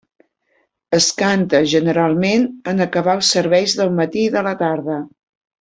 Es canta, generalment, en acabar els serveis del matí i de la tarda.